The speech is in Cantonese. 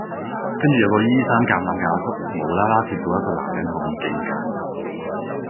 跟住有個衣衫襤褸嘅阿叔無啦啦貼到一個男人後面勁近